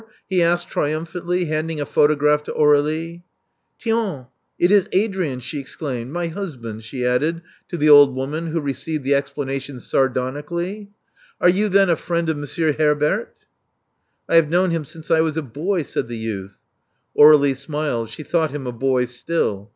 he asked trium phantly, handing a photograph to Aur^lie. ^^Tiensf it is Adrian," she exclaimed. '*My hus band," she added, to the old woman, who received the explanation sardonically. Are you then a friend of Monsieur Herbert?" i have known him since I was a boy," said the youth. Aur^lie smiled : she thought him a boy still.